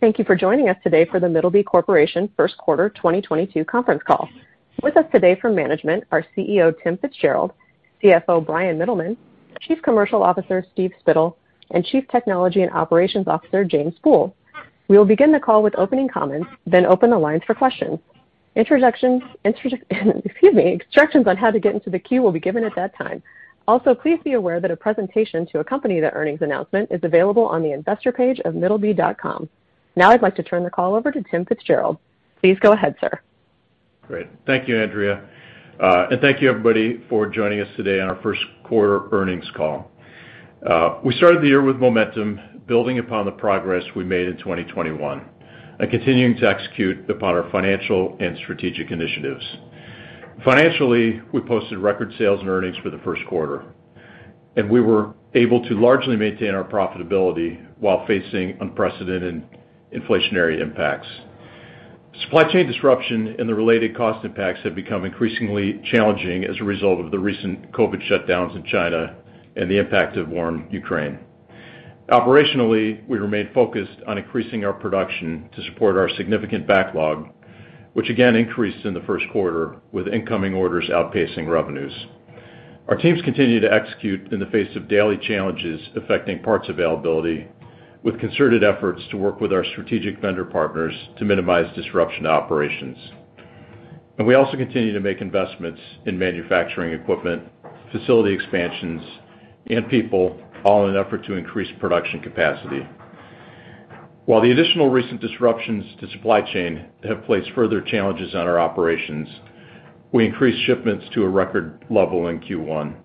Thank you for joining us today for the Middleby Corporation first quarter 2022 conference call. With us today from management are CEO, Tim Fitzgerald, CFO, Bryan Mittelman, Chief Commercial Officer, Steve Spittle, and Chief Technology and Operations Officer, James Pool. We will begin the call with opening comments, then open the lines for questions. Instructions on how to get into the queue will be given at that time. Also, please be aware that a presentation to accompany the earnings announcement is available on the investor page of middleby.com. Now I'd like to turn the call over to Tim Fitzgerald. Please go ahead, sir. Great. Thank you, Andrea. Thank you, everybody, for joining us today on our first quarter earnings call. We started the year with momentum, building upon the progress we made in 2021 and continuing to execute upon our financial and strategic initiatives. Financially, we posted record sales and earnings for the first quarter, and we were able to largely maintain our profitability while facing unprecedented inflationary impacts. Supply chain disruption and the related cost impacts have become increasingly challenging as a result of the recent COVID shutdowns in China and the impact of war in Ukraine. Operationally, we remain focused on increasing our production to support our significant backlog, which again increased in the first quarter with incoming orders outpacing revenues. Our teams continue to execute in the face of daily challenges affecting parts availability with concerted efforts to work with our strategic vendor partners to minimize disruption to operations. We also continue to make investments in manufacturing equipment, facility expansions, and people all in an effort to increase production capacity. While the additional recent disruptions to supply chain have placed further challenges on our operations, we increased shipments to a record level in Q1,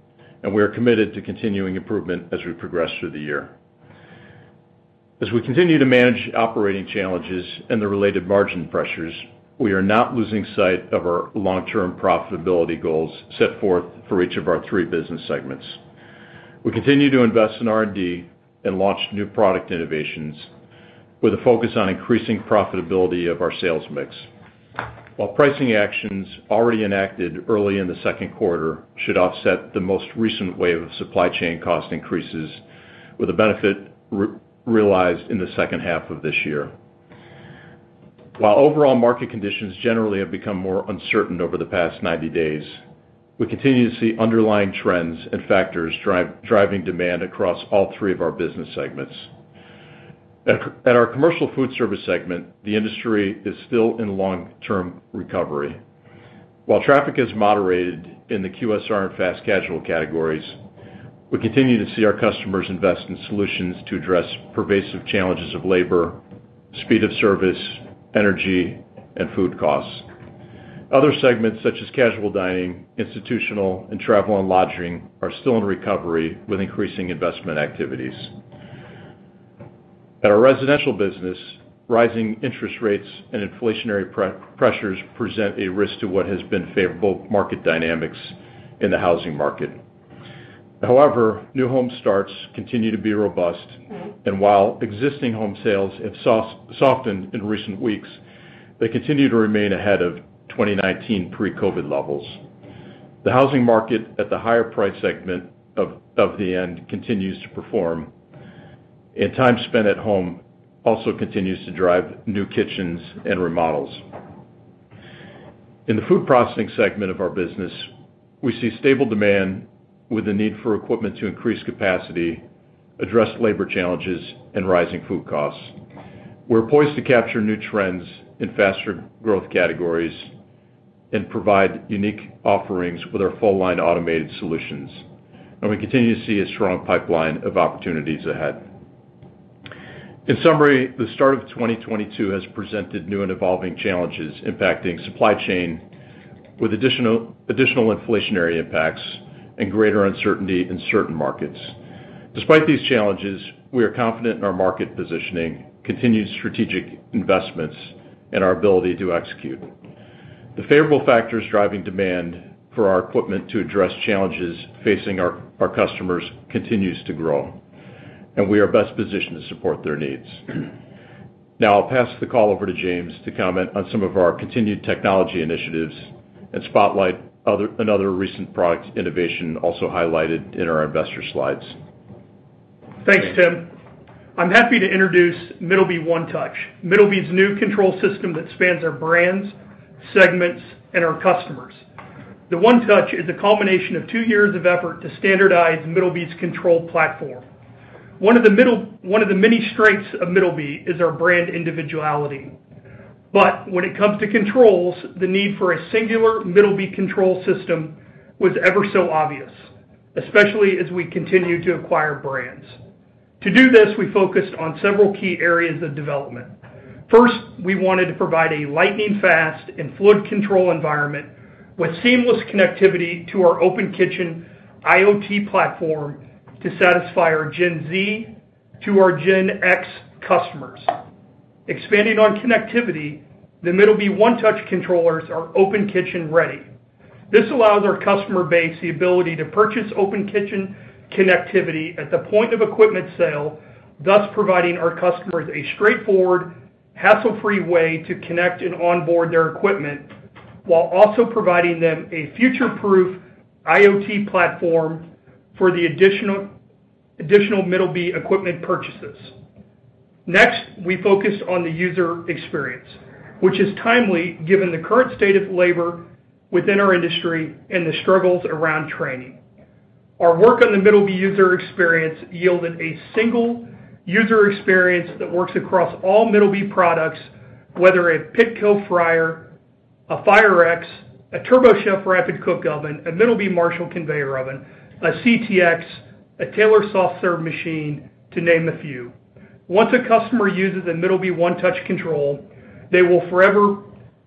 and we are committed to continuing improvement as we progress through the year. As we continue to manage operating challenges and the related margin pressures, we are not losing sight of our long-term profitability goals set forth for each of our three business segments. We continue to invest in R&D and launch new product innovations with a focus on increasing profitability of our sales mix. While pricing actions already enacted early in the second quarter should offset the most recent wave of supply chain cost increases, with the benefit re-realized in the second half of this year. While overall market conditions generally have become more uncertain over the past 90 days, we continue to see underlying trends and factors driving demand across all three of our business segments. At our commercial food service segment, the industry is still in long-term recovery. While traffic has moderated in the QSR and fast casual categories, we continue to see our customers invest in solutions to address pervasive challenges of labor, speed of service, energy, and food costs. Other segments such as casual dining, institutional, and travel and lodging are still in recovery with increasing investment activities. At our residential business, rising interest rates and inflationary pressures present a risk to what has been favorable market dynamics in the housing market. However, new home starts continue to be robust, and while existing home sales have softened in recent weeks, they continue to remain ahead of 2019 pre-COVID levels. The housing market at the higher price segment of the high end continues to perform, and time spent at home also continues to drive new kitchens and remodels. In the food processing segment of our business, we see stable demand with the need for equipment to increase capacity, address labor challenges, and rising food costs. We're poised to capture new trends in faster growth categories and provide unique offerings with our full line automated solutions, and we continue to see a strong pipeline of opportunities ahead. In summary, the start of 2022 has presented new and evolving challenges impacting supply chain with additional inflationary impacts and greater uncertainty in certain markets. Despite these challenges, we are confident in our market positioning, continued strategic investments, and our ability to execute. The favorable factors driving demand for our equipment to address challenges facing our customers continues to grow, and we are best positioned to support their needs. Now I'll pass the call over to James to comment on some of our continued technology initiatives and spotlight another recent product innovation also highlighted in our investor slides. Thanks, Tim. I'm happy to introduce Middleby OneTouch, Middleby's new control system that spans our brands, segments, and our customers. The OneTouch is a combination of two years of effort to standardize Middleby's control platform. One of the many strengths of Middleby is our brand individuality. When it comes to controls, the need for a singular Middleby control system was ever so obvious, especially as we continue to acquire brands. To do this, we focused on several key areas of development. First, we wanted to provide a lightning-fast and fluid control environment with seamless connectivity to our Open Kitchen IoT platform to satisfy our Gen Z to our Gen X customers. Expanding on connectivity, the Middleby OneTouch controllers are Open Kitchen ready. This allows our customer base the ability to purchase Open Kitchen connectivity at the point of equipment sale, thus providing our customers a straightforward, hassle-free way to connect and onboard their equipment. While also providing them a future-proof IoT platform for the additional Middleby equipment purchases. Next, we focus on the user experience, which is timely given the current state of labor within our industry and the struggles around training. Our work on the Middleby user experience yielded a single user experience that works across all Middleby products, whether a Pitco fryer, a Firex, a TurboChef rapid cook oven, a Middleby Marshall conveyor oven, a CTX, a Taylor soft serve machine, to name a few. Once a customer uses a Middleby OneTouch control, they will forever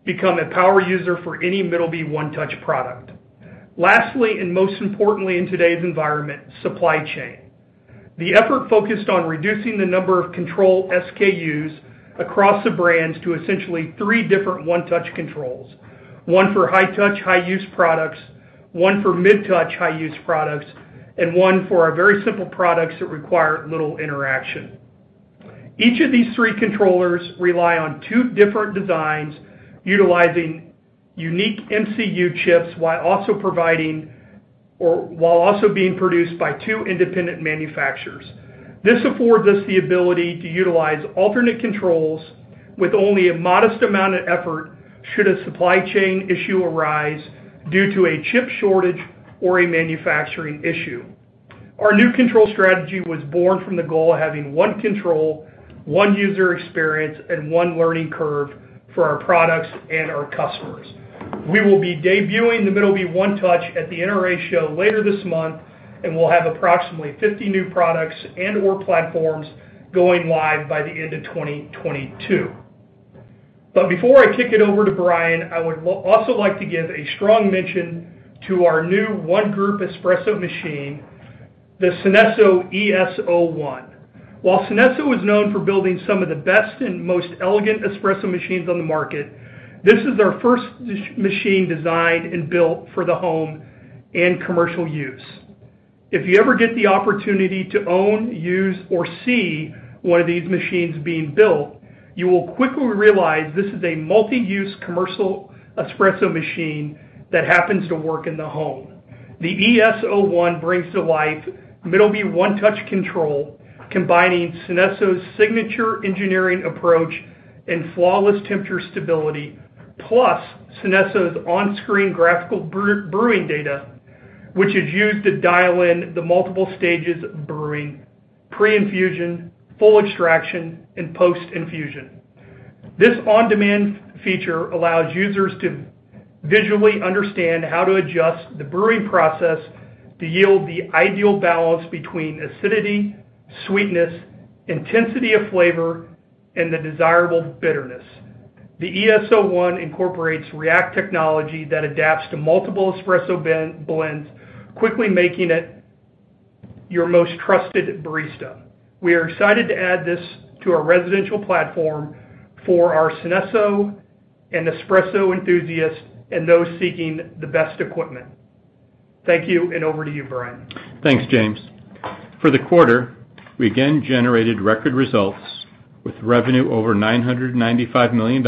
become a power user for any Middleby OneTouch product. Lastly, and most importantly in today's environment, supply chain. The effort focused on reducing the number of control SKUs across the brands to essentially three different One Touch controls, one for high-touch, high-use products, one for mid-touch, high-use products, and one for our very simple products that require little interaction. Each of these three controllers rely on two different designs utilizing unique MCU chips while also being produced by two independent manufacturers. This affords us the ability to utilize alternate controls with only a modest amount of effort should a supply chain issue arise due to a chip shortage or a manufacturing issue. Our new control strategy was born from the goal of having one control, one user experience, and one learning curve for our products and our customers. We will be debuting the Middleby OneTouch at the NRA show later this month, and we'll have approximately 50 new products and/or platforms going live by the end of 2022. Before I kick it over to Bryan, I would also like to give a strong mention to our new ES1 espresso machine, the Synesso ES1. While Synesso is known for building some of the best and most elegant espresso machines on the market, this is their first machine designed and built for the home and commercial use. If you ever get the opportunity to own, use, or see one of these machines being built, you will quickly realize this is a multi-use commercial espresso machine that happens to work in the home. The ES01 brings to life Middleby OneTouch control, combining Synesso's signature engineering approach and flawless temperature stability, plus Synesso's on-screen graphical brew, brewing data, which is used to dial in the multiple stages of brewing, pre-infusion, full extraction, and post-infusion. This on-demand feature allows users to visually understand how to adjust the brewing process to yield the ideal balance between acidity, sweetness, intensity of flavor, and the desirable bitterness. The ES01 incorporates react technology that adapts to multiple espresso blends, quickly making it your most trusted barista. We are excited to add this to our residential platform for our Synesso and espresso enthusiasts and those seeking the best equipment. Thank you, and over to you, Bryan. Thanks, James. For the quarter, we again generated record results with revenue over $995 million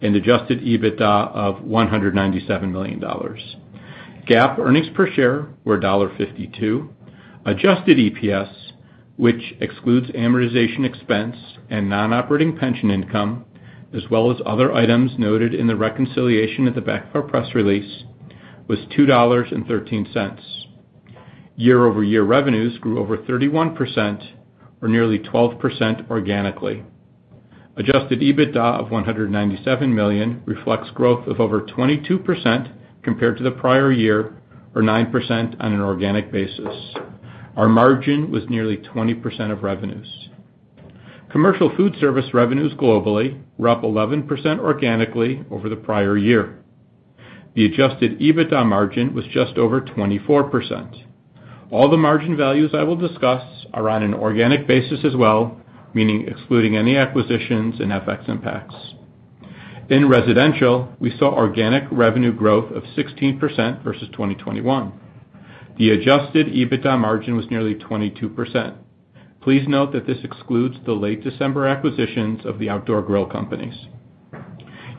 and Adjusted EBITDA of $197 million. GAAP earnings per share were $1.52. Adjusted EPS, which excludes amortization expense and non-operating pension income, as well as other items noted in the reconciliation at the back of our press release, was $2.13. Year-over-year revenues grew over 31%, or nearly 12% organically. Adjusted EBITDA of $197 million reflects growth of over 22% compared to the prior year, or 9% on an organic basis. Our margin was nearly 20% of revenues. Commercial food service revenues globally were up 11% organically over the prior year. The Adjusted EBITDA margin was just over 24%. All the margin values I will discuss are on an organic basis as well, meaning excluding any acquisitions and FX impacts. In residential, we saw organic revenue growth of 16% versus 2021. The Adjusted EBITDA margin was nearly 22%. Please note that this excludes the late December acquisitions of the outdoor grill companies.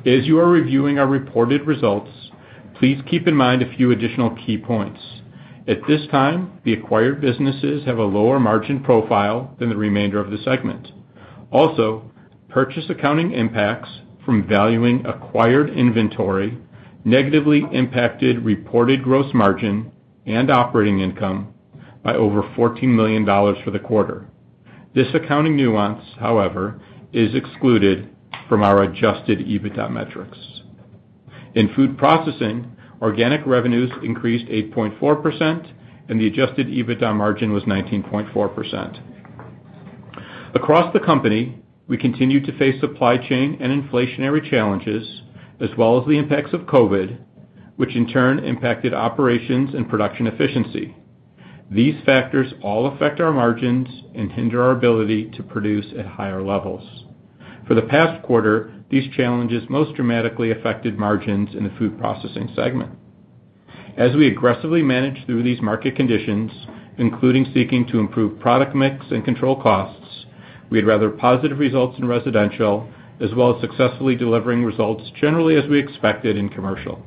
As you are reviewing our reported results, please keep in mind a few additional key points. At this time, the acquired businesses have a lower margin profile than the remainder of the segment. Also, purchase accounting impacts from valuing acquired inventory negatively impacted reported gross margin and operating income by over $14 million for the quarter. This accounting nuance, however, is excluded from our Adjusted EBITDA metrics. In food processing, organic revenues increased 8.4%, and the Adjusted EBITDA margin was 19.4%. Across the company, we continue to face supply chain and inflationary challenges as well as the impacts of COVID, which in turn impacted operations and production efficiency. These factors all affect our margins and hinder our ability to produce at higher levels. For the past quarter, these challenges most dramatically affected margins in the food processing segment. We aggressively manage through these market conditions, including seeking to improve product mix and control costs. We had rather positive results in residential, as well as successfully delivering results generally as we expected in commercial.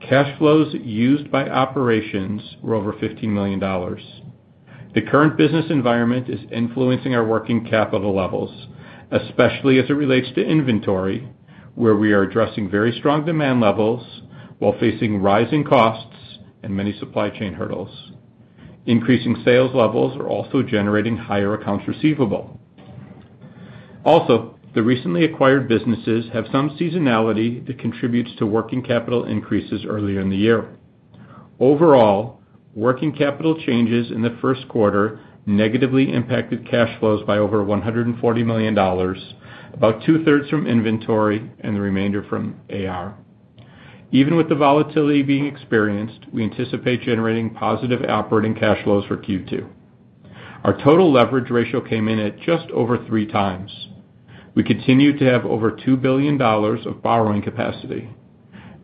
Cash flows used by operations were over $15 million. The current business environment is influencing our working capital levels, especially as it relates to inventory, where we are addressing very strong demand levels while facing rising costs and many supply chain hurdles. Increasing sales levels are also generating higher accounts receivable. Also, the recently acquired businesses have some seasonality that contributes to working capital increases earlier in the year. Overall, working capital changes in the first quarter negatively impacted cash flows by over $140 million, about two-thirds from inventory and the remainder from AR. Even with the volatility being experienced, we anticipate generating positive operating cash flows for Q2. Our total leverage ratio came in at just over 3x. We continue to have over $2 billion of borrowing capacity.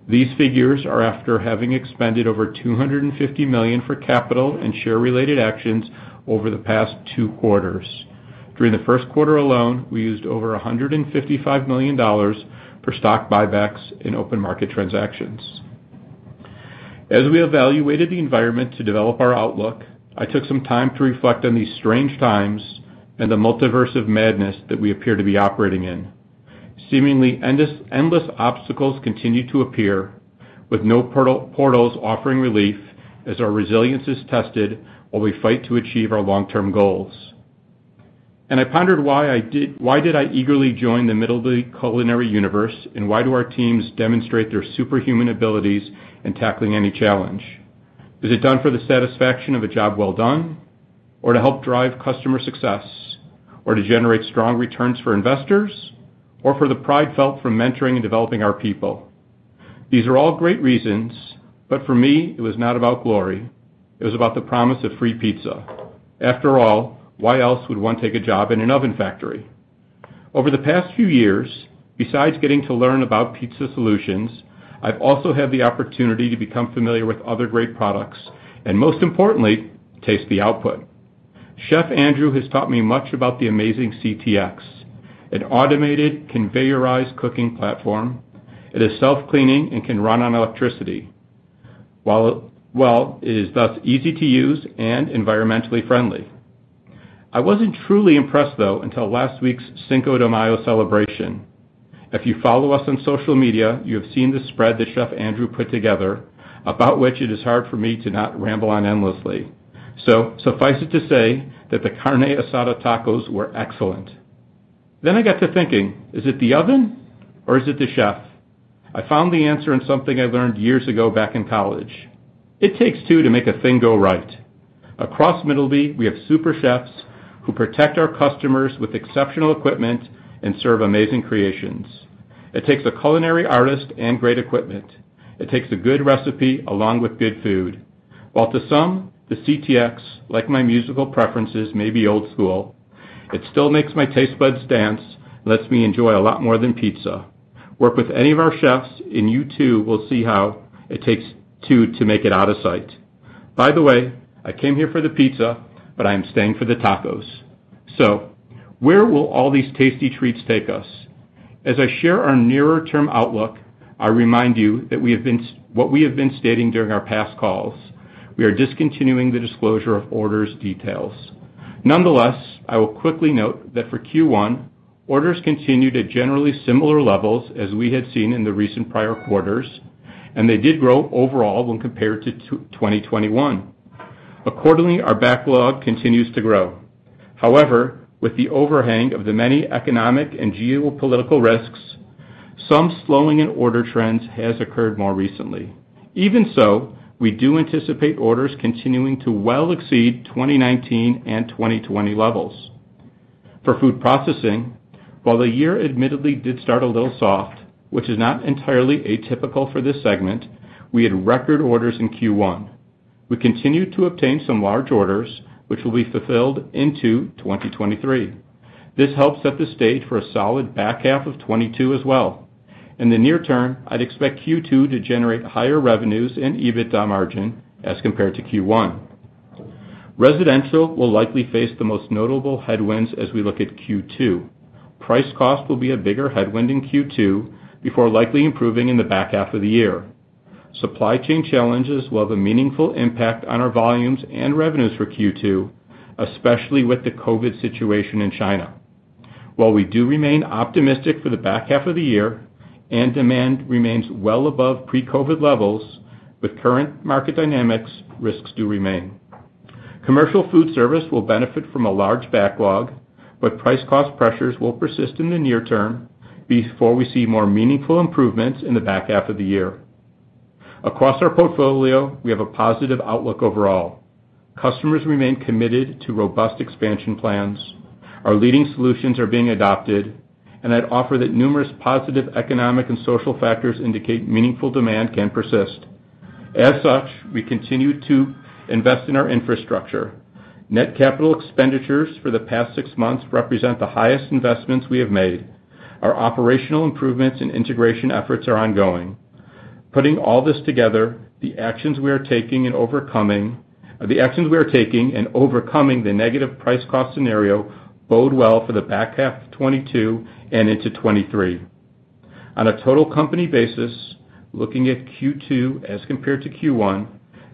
These figures are after having expended over $250 million for capital and share-related actions over the past two quarters. During the first quarter alone, we used over $155 million for stock buybacks in open market transactions. As we evaluated the environment to develop our outlook, I took some time to reflect on these strange times and the multiverse of madness that we appear to be operating in. Seemingly endless obstacles continue to appear with no portals offering relief as our resilience is tested while we fight to achieve our long-term goals. I pondered why did I eagerly join the Middleby culinary universe, and why do our teams demonstrate their superhuman abilities in tackling any challenge? Is it done for the satisfaction of a job well done, or to help drive customer success, or to generate strong returns for investors, or for the pride felt from mentoring and developing our people? These are all great reasons, but for me, it was not about glory. It was about the promise of free pizza. After all, why else would one take a job in an oven factory? Over the past few years, besides getting to learn about pizza solutions, I've also had the opportunity to become familiar with other great products, and most importantly, taste the output. Chef Andrew has taught me much about the amazing CTX, an automated conveyorized cooking platform. It is self-cleaning and can run on electricity, while it is thus easy to use and environmentally friendly. I wasn't truly impressed, though, until last week's Cinco de Mayo celebration. If you follow us on social media, you have seen the spread that Chef Andrew put together, about which it is hard for me to not ramble on endlessly. Suffice it to say that the carne asada tacos were excellent. I got to thinking, is it the oven or is it the chef? I found the answer in something I learned years ago back in college. It takes two to make a thing go right. Across Middleby, we have super chefs who protect our customers with exceptional equipment and serve amazing creations. It takes a culinary artist and great equipment. It takes a good recipe along with good food. While to some, the CTX, like my musical preferences, may be old school, it still makes my taste buds dance and lets me enjoy a lot more than pizza. Work with any of our chefs, and you too will see how it takes two to make it out of sight. By the way, I came here for the pizza, but I am staying for the tacos. Where will all these tasty treats take us? As I share our nearer term outlook, I remind you that we have been stating during our past calls, we are discontinuing the disclosure of orders details. Nonetheless, I will quickly note that for Q1, orders continued at generally similar levels as we had seen in the recent prior quarters, and they did grow overall when compared to 2021. Accordingly, our backlog continues to grow. However, with the overhang of the many economic and geopolitical risks, some slowing in order trends has occurred more recently. Even so, we do anticipate orders continuing to well exceed 2019 and 2020 levels. For food processing, while the year admittedly did start a little soft, which is not entirely atypical for this segment, we had record orders in Q1. We continued to obtain some large orders which will be fulfilled into 2023. This helps set the stage for a solid back half of 2022 as well. In the near term, I'd expect Q2 to generate higher revenues and EBITDA margin as compared to Q1. Residential will likely face the most notable headwinds as we look at Q2. Price cost will be a bigger headwind in Q2 before likely improving in the back half of the year. Supply chain challenges will have a meaningful impact on our volumes and revenues for Q2, especially with the COVID situation in China. While we do remain optimistic for the back half of the year and demand remains well above pre-COVID levels, with current market dynamics, risks do remain. Commercial food service will benefit from a large backlog, but price cost pressures will persist in the near term before we see more meaningful improvements in the back half of the year. Across our portfolio, we have a positive outlook overall. Customers remain committed to robust expansion plans. Our leading solutions are being adopted, and I'd offer that numerous positive economic and social factors indicate meaningful demand can persist. As such, we continue to invest in our infrastructure. Net capital expenditures for the past six months represent the highest investments we have made. Our operational improvements and integration efforts are ongoing. Putting all this together, the actions we are taking and overcoming the negative price cost scenario bode well for the back half of 2022 and into 2023. On a total company basis, looking at Q2 as compared to Q1,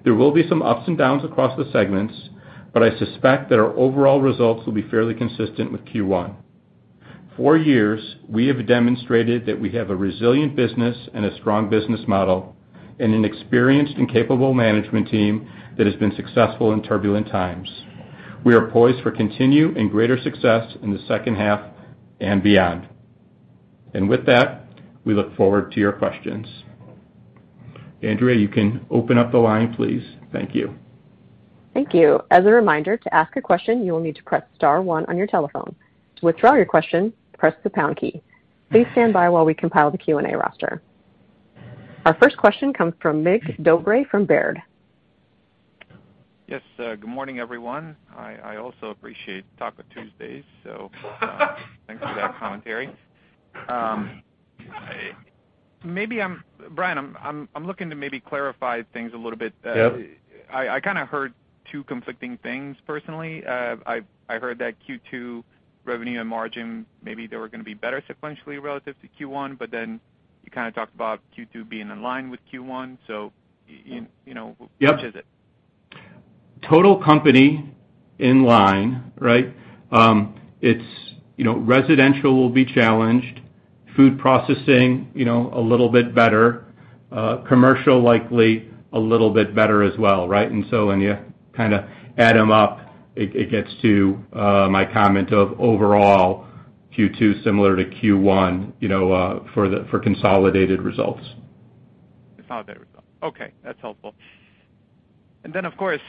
there will be some ups and downs across the segments, but I suspect that our overall results will be fairly consistent with Q1. For years, we have demonstrated that we have a resilient business and a strong business model, and an experienced and capable management team that has been successful in turbulent times. We are poised for continued and greater success in the second half and beyond. With that, we look forward to your questions. Andrea, you can open up the line, please. Thank you. Thank you. As a reminder, to ask a question, you will need to press star one on your telephone. To withdraw your question, press the pound key. Please stand by while we compile the Q&A roster. Our first question comes from Mircea Dobre from Baird. Yes. Good morning, everyone. I also appreciate Taco Tuesdays, so thanks for that commentary. Bryan, I'm looking to maybe clarify things a little bit. Yep. I kinda heard two conflicting things personally. I've heard that Q2 revenue and margin, maybe they were gonna be better sequentially relative to Q1, but then you kinda talked about Q2 being in line with Q1. You know- Yep. Which is it? Total company in line, right? It's you know, residential will be challenged, food processing, you know, a little bit better, commercial likely a little bit better as well, right? When you kinda add them up, it gets to my comment of overall Q2 similar to Q1, you know, for consolidated results. Consolidated results. Okay, that's helpful. Of course,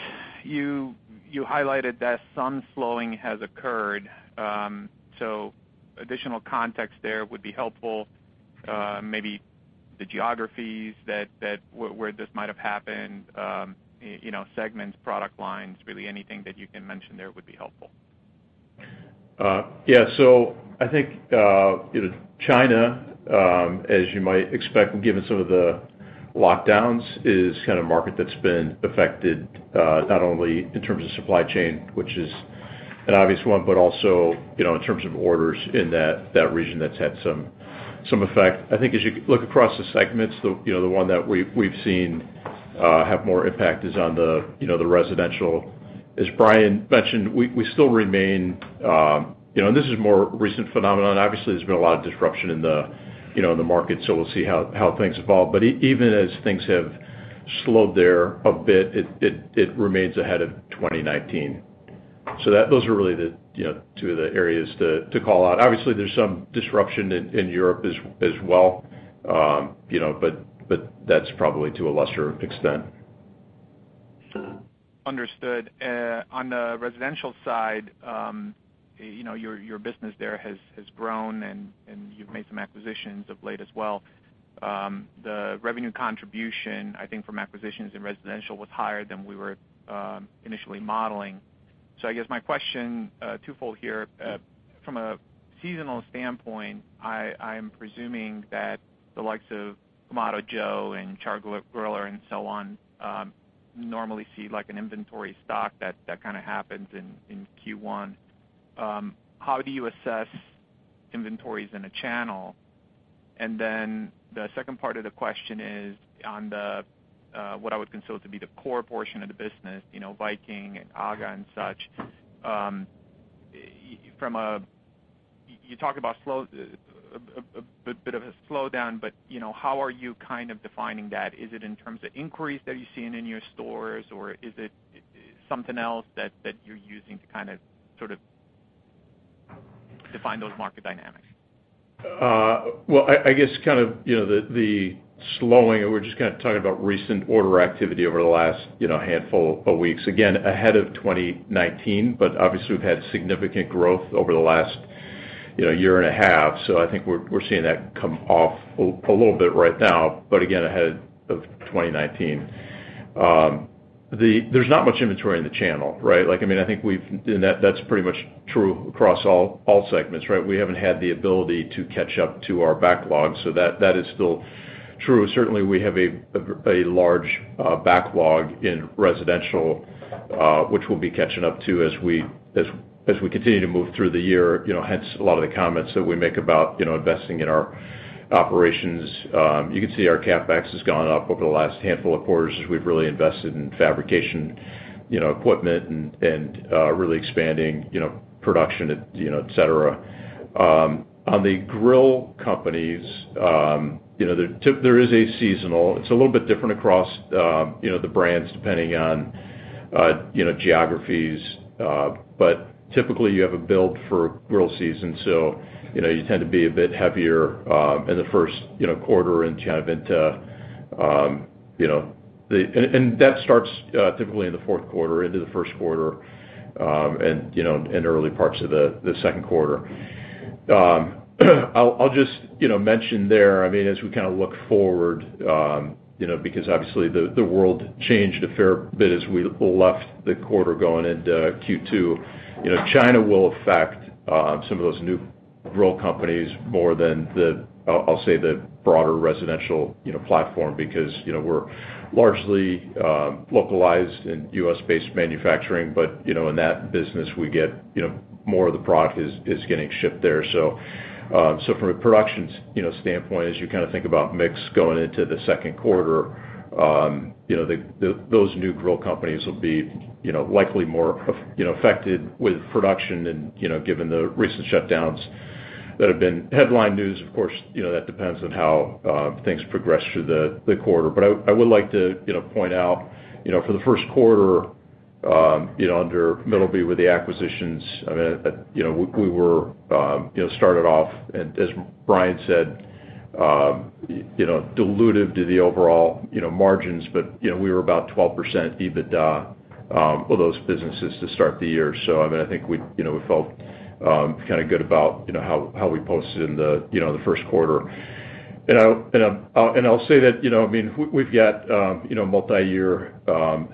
you highlighted that some slowing has occurred, so additional context there would be helpful, maybe the geographies where this might have happened, you know, segments, product lines, really anything that you can mention there would be helpful. I think, you know, China, as you might expect, given some of the lockdowns, is kind of a market that's been affected, not only in terms of supply chain, which is an obvious one, but also, you know, in terms of orders in that region that's had some effect. I think as you look across the segments, you know, the one that we've seen have more impact is on the, you know, the residential. As Bryan mentioned, we still remain, you know, and this is a more recent phenomenon. Obviously, there's been a lot of disruption in the, you know, in the market, so we'll see how things evolve. Even as things have slowed there a bit, it remains ahead of 2019. Those are really the, you know, two of the areas to call out. Obviously, there's some disruption in Europe as well, you know, but that's probably to a lesser extent. Understood. On the residential side, you know, your business there has grown and you've made some acquisitions of late as well. The revenue contribution, I think, from acquisitions in residential was higher than we were initially modeling. I guess my question, twofold here. From a seasonal standpoint, I'm presuming that the likes of Kamado Joe and Char-Griller and so on normally see, like, an inventory stock that kinda happens in Q1. How do you assess inventories in a channel? And then the second part of the question is on the, what I would consider to be the core portion of the business, you know, Viking and AGA and such, from a... You talk about a bit of a slowdown, but, you know, how are you kind of defining that? Is it in terms of inquiries that you're seeing in your stores, or is it something else that you're using to kind of, sort of define those market dynamics? Well, I guess kind of, you know, the slowing, we're just kinda talking about recent order activity over the last, you know, handful of weeks, again, ahead of 2019, but obviously, we've had significant growth over the last, you know, year and a half. I think we're seeing that come off a little bit right now, but again, ahead of 2019. There's not much inventory in the channel, right? Like, I mean, I think, and that's pretty much true across all segments, right? We haven't had the ability to catch up to our backlog, so that is still true. Certainly, we have a large backlog in residential, which we'll be catching up to as we continue to move through the year. You know, hence a lot of the comments that we make about, you know, investing in our operations. You can see our CapEx has gone up over the last handful of quarters as we've really invested in fabrication, you know, equipment and really expanding, you know, production, you know, et cetera. On the grill companies, you know, there is a seasonality. It's a little bit different across, you know, the brands depending on, you know, geographies, but typically, you have a build for grill season, so, you know, you tend to be a bit heavier in the first, you know, quarter and kind of into. That starts typically in the fourth quarter into the first quarter, and, you know, in early parts of the second quarter. I'll just, you know, mention there, I mean, as we kind of look forward, you know, because obviously the world changed a fair bit as we left the quarter going into Q2. You know, China will affect some of those new grill companies more than the, I'll say, the broader residential, you know, platform because, you know, we're largely localized in US-based manufacturing. You know, in that business, we get, you know, more of the product is getting shipped there. From a production standpoint, as you kind of think about mix going into the second quarter, you know, those new grill companies will be, you know, likely more affected with production and, you know, given the recent shutdowns that have been headline news. Of course, you know, that depends on how things progress through the quarter. I would like to, you know, point out, you know, for the first quarter, you know, under Middleby with the acquisitions, I mean, you know, we were, you know, started off, and as Bryan said, you know, dilutive to the overall, you know, margins, but, you know, we were about 12% EBITDA of those businesses to start the year. I mean, I think we, you know, we felt kind of good about, you know, how we posted in the, you know, the first quarter. I'll say that, you know, I mean, we've got, you know, multiyear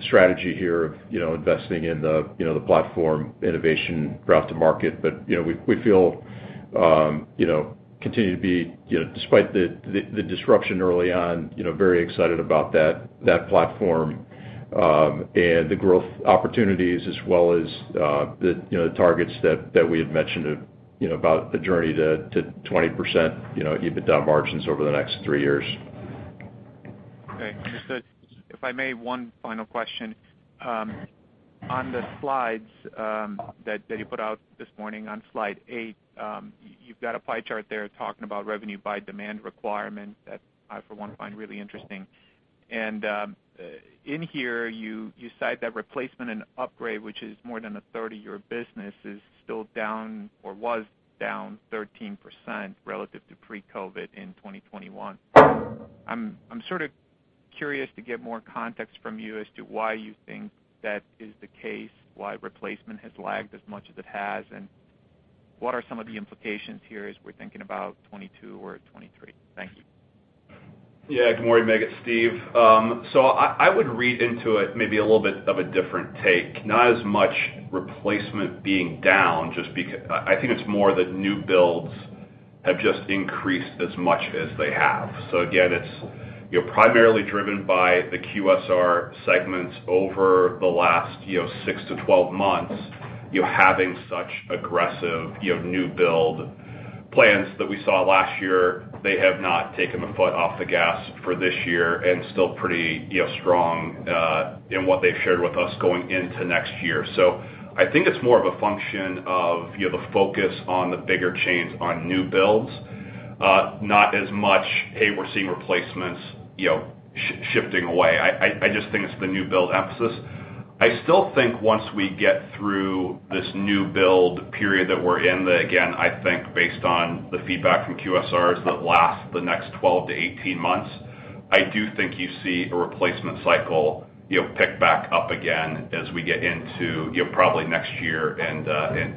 strategy here of, you know, investing in the, you know, the platform innovation route to market. You know, we feel continue to be, you know, despite the disruption early on, you know, very excited about that platform, and the growth opportunities as well as, the, you know, the targets that we had mentioned, you know, about the journey to 20%, you know, EBITDA margins over the next three years. Okay. Understood. If I may, one final question. On the slides that you put out this morning, on slide 8, you've got a pie chart there talking about revenue by demand requirement that I, for one, find really interesting. In here, you cite that replacement and upgrade, which is more than a 30-year business, is still down or was down 13% relative to pre-COVID in 2021. I'm sort of curious to get more context from you as to why you think that is the case, why replacement has lagged as much as it has, and what are some of the implications here as we're thinking about 2022 or 2023. Thank you. Yeah. Good morning, Mig. It's Steve. I would read into it maybe a little bit of a different take, not as much replacement being down just because I think it's more the new builds have just increased as much as they have. Again, it's primarily driven by the QSR segments over the last, you know, 6-12 months, you having such aggressive, you know, new build plans that we saw last year. They have not taken a foot off the gas for this year and still pretty, you know, strong in what they've shared with us going into next year. I think it's more of a function of, you know, the focus on the bigger chains on new builds, not as much, "Hey, we're seeing replacements," you know, shifting away. I just think it's the new build emphasis. I still think once we get through this new build period that we're in, again, I think based on the feedback from QSRs that last the next 12-18 months, I do think you see a replacement cycle, you know, pick back up again as we get into, you know, probably next year and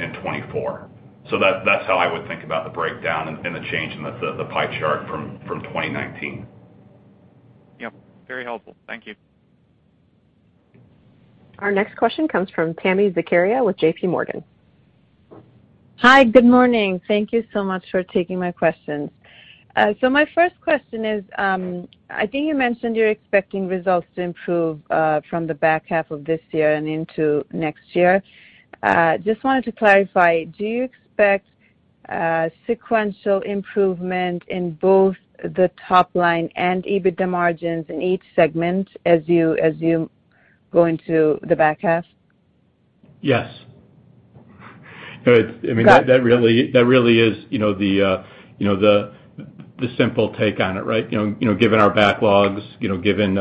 in 2024. That, that's how I would think about the breakdown and the change in the pie chart from 2019. Yep. Very helpful. Thank you. Our next question comes from Tami Zakaria with J.P. Morgan. Hi. Good morning. Thank you so much for taking my questions. My first question is, I think you mentioned you're expecting results to improve from the back half of this year and into next year. Just wanted to clarify. Do you expect sequential improvement in both the top line and EBITDA margins in each segment as you go into the back half? No, it's Got it. I mean, that really is, you know, the simple take on it, right? You know, given our backlogs, you know, given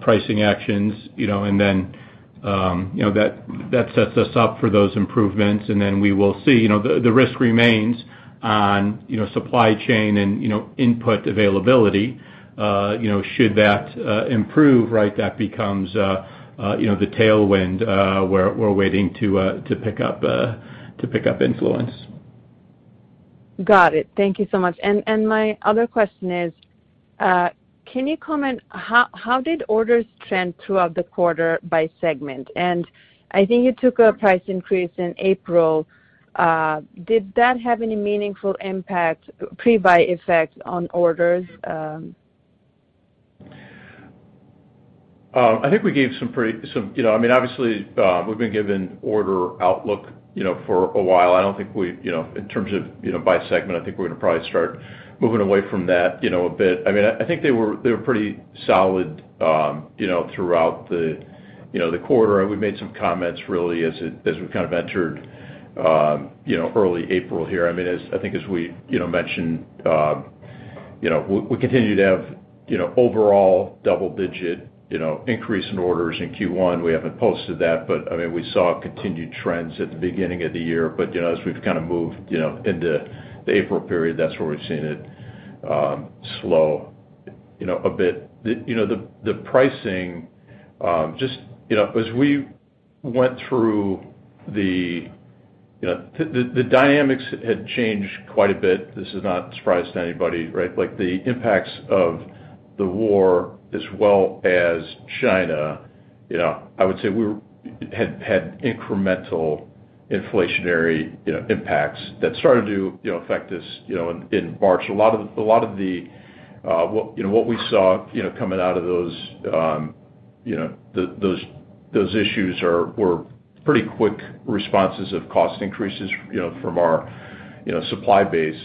pricing actions, you know, and then that sets us up for those improvements, and then we will see. You know, the risk remains on, you know, supply chain and, you know, input availability. You know, should that improve, right, that becomes, you know, the tailwind, we're waiting to pick up influence. Got it. Thank you so much. My other question is, can you comment how did orders trend throughout the quarter by segment? I think you took a price increase in April. Did that have any meaningful impact pre-buy effect on orders? I think we gave some, you know, I mean, obviously, we've been given order outlook, you know, for a while. I don't think we've, you know, in terms of, you know, by segment, I think we're gonna probably start moving away from that, you know, a bit. I mean, I think they were pretty solid, you know, throughout the, you know, the quarter. We made some comments really as it, as we kind of entered, you know, early April here. I mean, I think as we, you know, mentioned, you know, we continue to have, you know, overall double-digit increase in orders in Q1. We haven't posted that, but I mean, we saw continued trends at the beginning of the year. You know, as we've kind of moved, you know, into the April period, that's where we've seen it slow, you know, a bit. The pricing, just, you know, as we went through the, you know, the dynamics had changed quite a bit. This is not a surprise to anybody, right? Like the impacts of the war as well as China, you know, I would say we had incremental inflationary, you know, impacts that started to, you know, affect us, you know, in March. A lot of the what we saw, you know, coming out of those issues were pretty quick responses of cost increases, you know, from our supply base.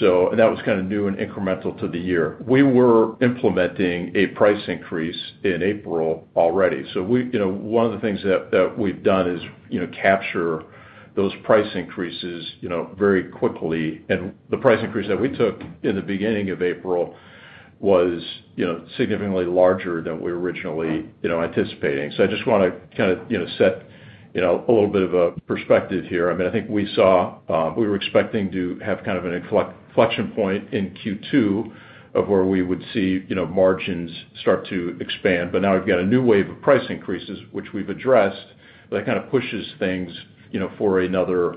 And that was kind of new and incremental to the year. We were implementing a price increase in April already. We, you know, one of the things that we've done is, you know, capture those price increases, you know, very quickly. The price increase that we took in the beginning of April was, you know, significantly larger than we originally anticipated. I just wanna kind of, you know, set, you know, a little bit of a perspective here. I mean, I think we were expecting to have kind of an inflection point in Q2 of where we would see, you know, margins start to expand. Now we've got a new wave of price increases, which we've addressed, that kind of pushes things, you know, for another,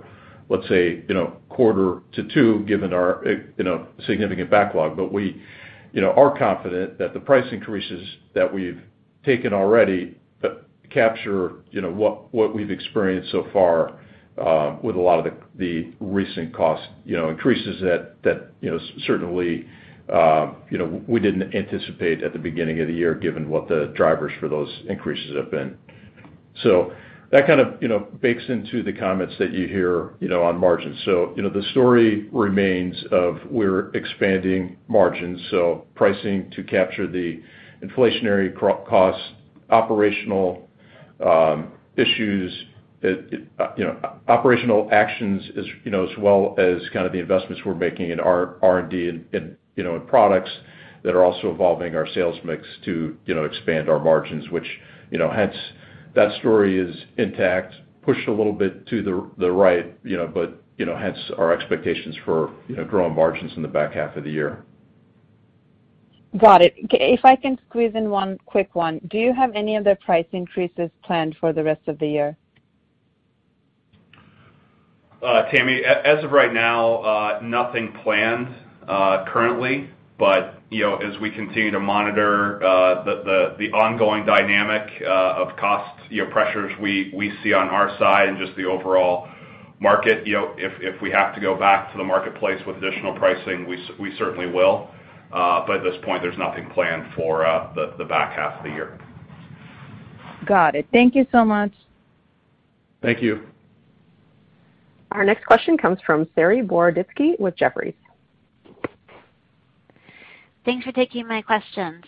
let's say, you know, quarter to two, given our, you know, significant backlog. We, you know, are confident that the price increases that we've taken already capture, you know, what we've experienced so far, with a lot of the recent cost, you know, increases that, you know, certainly, you know, we didn't anticipate at the beginning of the year, given what the drivers for those increases have been. That kind of, you know, bakes into the comments that you hear, you know, on margins. You know, the story remains of we're expanding margins, pricing to capture the inflationary costs, operational issues, operational actions, as you know, as well as kind of the investments we're making in R&D and, you know, in products that are also evolving our sales mix to, you know, expand our margins, which, you know, hence that story is intact, pushed a little bit to the right, you know, but, you know, hence our expectations for, you know, growing margins in the back half of the year. Got it. If I can squeeze in one quick one. Do you have any other price increases planned for the rest of the year? Tami, as of right now, nothing planned, currently. You know, as we continue to monitor the ongoing dynamic of cost pressures we see on our side and just the overall market, you know, if we have to go back to the marketplace with additional pricing, we certainly will. At this point, there's nothing planned for the back half of the year. Got it. Thank you so much. Thank you. Our next question comes from Saree Boroditsky with Jefferies. Thanks for taking my questions.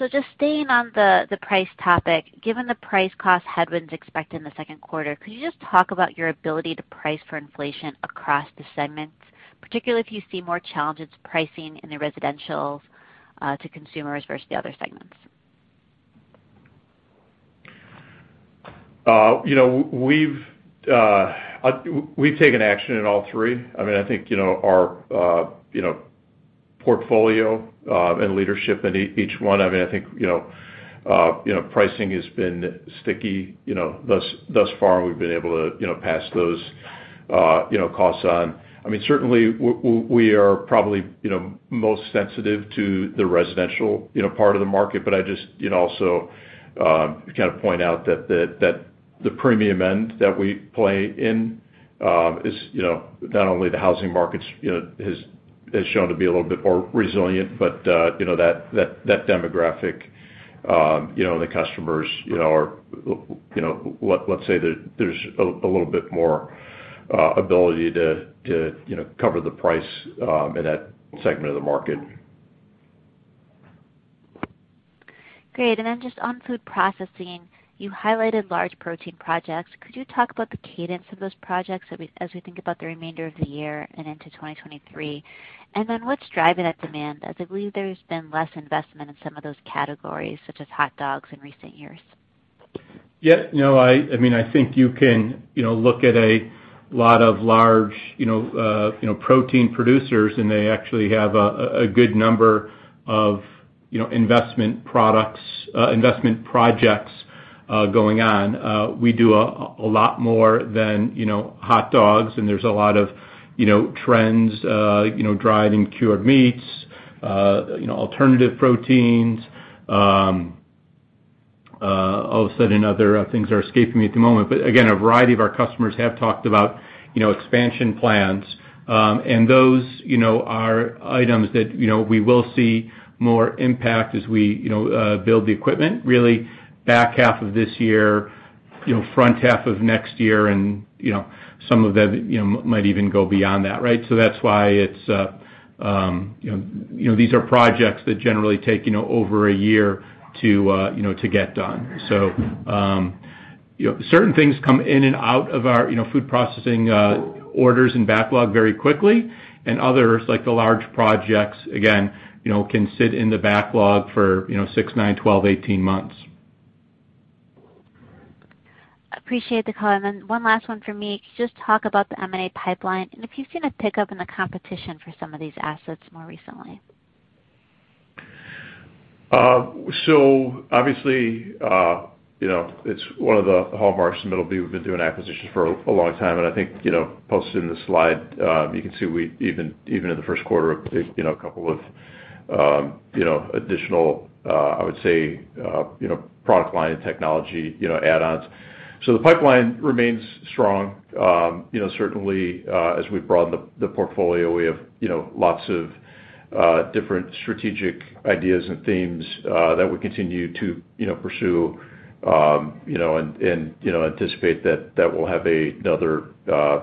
Just staying on the price topic, given the price cost headwinds expected in the second quarter, could you just talk about your ability to price for inflation across the segments, particularly if you see more challenges pricing in the residentials to consumers versus the other segments? You know, we've taken action in all three. I mean, I think, you know, our portfolio and leadership in each one. I mean, I think, you know, pricing has been sticky, you know, thus far, we've been able to, you know, pass those costs on. I mean, certainly we are probably, you know, most sensitive to the residential part of the market. I just, you know, also, kind of point out that the premium end that we play in is, you know, not only the housing markets, you know, has shown to be a little bit more resilient, but, you know, that demographic, you know, the customers, you know, are, you know, let's say there's a little bit more ability to, you know, cover the price in that segment of the market. Great. Just on food processing, you highlighted large protein projects. Could you talk about the cadence of those projects as we think about the remainder of the year and into 2023? What's driving that demand, as I believe there's been less investment in some of those categories, such as hot dogs in recent years? Yeah, you know, I mean, I think you can, you know, look at a lot of large, you know, protein producers, and they actually have a good number of, you know, investment projects going on. We do a lot more than, you know, hot dogs, and there's a lot of, you know, trends, you know, driving cured meats, you know, alternative proteins. All of a sudden other things are escaping me at the moment. Again, a variety of our customers have talked about, you know, expansion plans. Those, you know, are items that, you know, we will see more impact as we, you know, build the equipment really back half of this year, you know, front half of next year. You know, some of that, you know, might even go beyond that, right? That's why it's, you know, these are projects that generally take, you know, over a year to, you know, to get done. Certain things come in and out of our, you know, food processing, orders and backlog very quickly, and others like the large projects, again, you know, can sit in the backlog for, you know, 6, 9, 12, 18 months. Appreciate the comment. One last one for me. Could you just talk about the M&A pipeline and if you've seen a pickup in the competition for some of these assets more recently? Obviously, you know, it's one of the hallmarks of Middleby. We've been doing acquisitions for a long time. I think, you know, posted in the slide, you can see we even in the first quarter, you know, a couple of, you know, additional, I would say, you know, product line and technology, you know, add-ons. The pipeline remains strong. You know, certainly, as we broaden the portfolio, we have, you know, lots of, different strategic ideas and themes, that we continue to, you know, pursue, you know, and, you know, anticipate that will have another,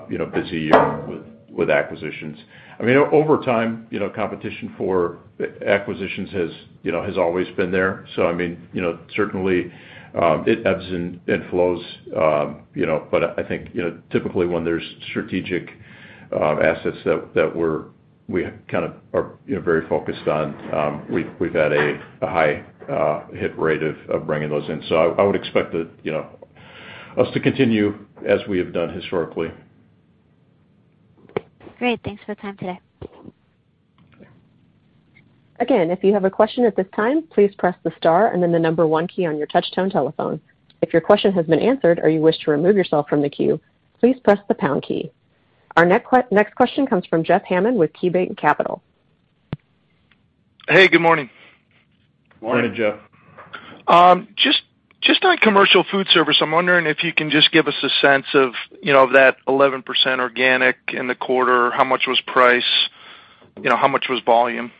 you know, busy year with acquisitions. I mean, over time, you know, competition for acquisitions has, you know, always been there. I mean, you know, certainly, it ebbs and flows, you know. I think, you know, typically when there's strategic assets that we kind of are, you know, very focused on, we've had a high hit rate of bringing those in. I would expect that, you know, us to continue as we have done historically. Great. Thanks for the time today. Again, if you have a question at this time, please press the star and then the number one key on your touch tone telephone. If your question has been answered or you wish to remove yourself from the queue, please press the pound key. Our next question comes from Jeff Hammond with KeyBanc Capital Markets. Hey, good morning. Morning, Jeff. Just on commercial food service, I'm wondering if you can just give us a sense of, you know, that 11% organic in the quarter, how much was price? You know, how much was volume?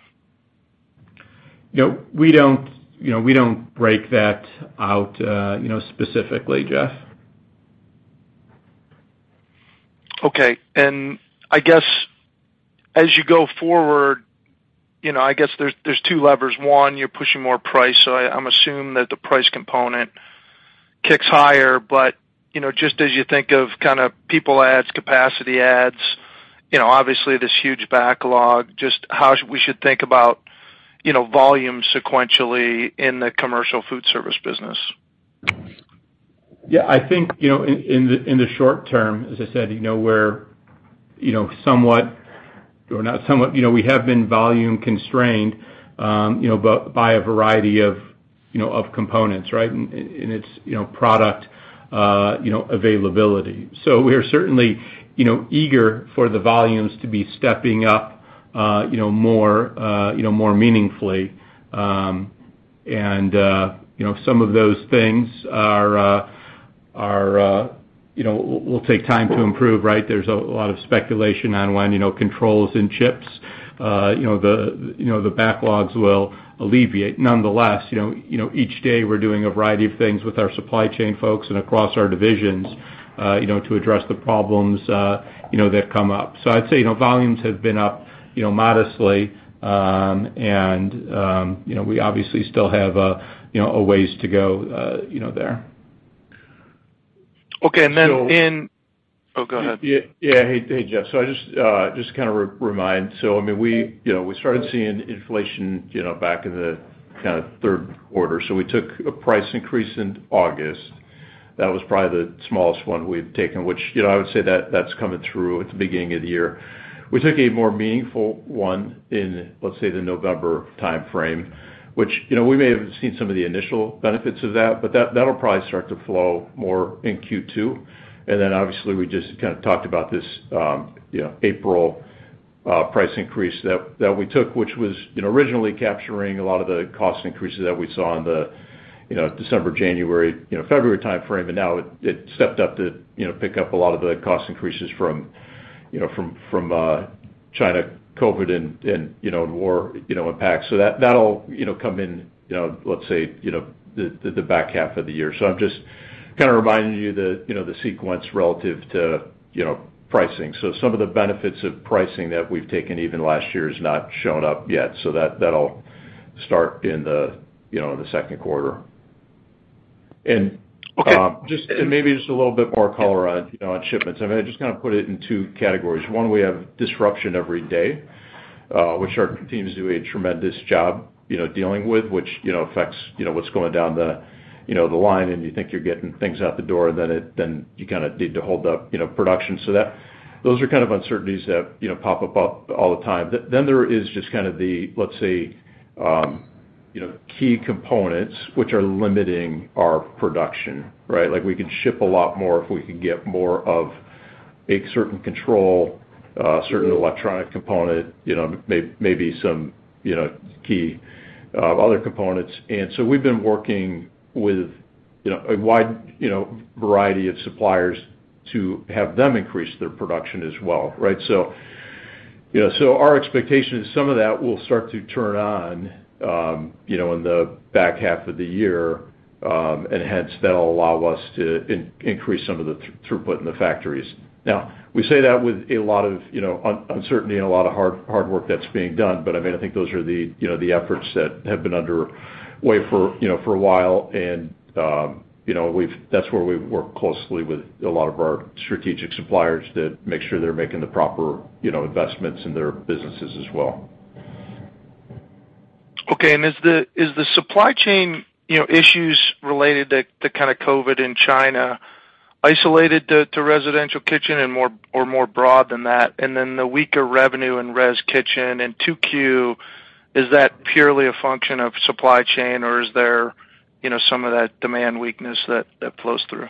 You know, we don't, you know, break that out, you know, specifically, Jeff. Okay. I guess as you go forward, you know, I guess there's two levers. One, you're pushing more price, so I'm assuming that the price component kicks higher. But, you know, just as you think of kind of people adds, capacity adds, you know, obviously this huge backlog, just how we should think about, you know, volume sequentially in the commercial food service business. Yeah, I think, you know, in the short term, as I said, you know, we're, you know, somewhat or not somewhat, you know, we have been volume constrained, you know, by a variety of, you know, of components, right? It's, you know, product, you know, availability. We are certainly, you know, eager for the volumes to be stepping up, you know, more, you know, more meaningfully. Some of those things, you know, will take time to improve, right? There's a lot of speculation on when, you know, controls and chips, you know, the backlogs will alleviate. Nonetheless, you know, each day we're doing a variety of things with our supply chain folks and across our divisions, you know, to address the problems, you know, that come up. I'd say, you know, volumes have been up, you know, modestly. You know, we obviously still have, you know, a ways to go, you know, there. Okay. So- Oh, go ahead. Yeah. Hey, Jeff. I just kind of remind. I mean, we, you know, we started seeing inflation, you know, back in the kind of third quarter. We took a price increase in August. That was probably the smallest one we've taken, which, you know, I would say that's coming through at the beginning of the year. We took a more meaningful one in, let's say, the November timeframe, which, you know, we may have seen some of the initial benefits of that, but that'll probably start to flow more in Q2. Obviously we just kind of talked about this, you know, April price increase that we took, which was, you know, originally capturing a lot of the cost increases that we saw in the, you know, December, January, you know, February timeframe. Now it stepped up to, you know, pick up a lot of the cost increases from, you know, from China COVID and, you know, war impact. So that'll, you know, come in, you know, let's say, you know, the back half of the year. So I'm just kind of reminding you the, you know, the sequence relative to, you know, pricing. So some of the benefits of pricing that we've taken even last year has not shown up yet. So that'll start in the, you know, the second quarter. Okay. Maybe just a little bit more color on, you know, on shipments. I mean, I just kind of put it in two categories. One, we have disruption every day, which our team is doing a tremendous job, you know, dealing with, which, you know, affects, you know, what's going down the, you know, the line and you think you're getting things out the door, then you kind of need to hold up, you know, production. Those are kind of uncertainties that, you know, pop up all the time. Then there is just kind of the, let's say, you know, key components which are limiting our production, right? Like, we can ship a lot more if we can get more of a certain control, certain electronic component, you know, maybe some, you know, key, other components. We've been working with, you know, a wide, you know, variety of suppliers to have them increase their production as well, right? You know, our expectation is some of that will start to turn on, you know, in the back half of the year. Hence, that'll allow us to increase some of the throughput in the factories. Now we say that with a lot of, you know, uncertainty and a lot of hard work that's being done. I mean, I think those are the, you know, the efforts that have been underway for, you know, a while. You know, that's where we work closely with a lot of our strategic suppliers to make sure they're making the proper, you know, investments in their businesses as well. Okay. Is the supply chain, you know, issues related to kind of COVID in China isolated to residential kitchen or more broad than that? Then the weaker revenue in res kitchen in 2Q, is that purely a function of supply chain or is there, you know, some of that demand weakness that flows through?